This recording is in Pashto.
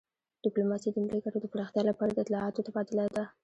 ډیپلوماسي د ملي ګټو د پراختیا لپاره د اطلاعاتو تبادله ده